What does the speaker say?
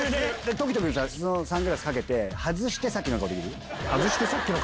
凱人君、そのサングラスかけて、外してさっきの顔できる？